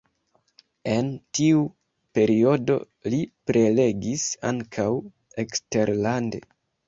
En tiu periodo li prelegis ankaŭ eksterlande.